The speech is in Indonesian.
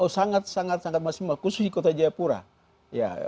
sangat sangat maksimal khusus di kota jayapura